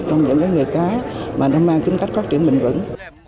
trong những cái nghề cá mà nó mang tính cách phát triển bình vững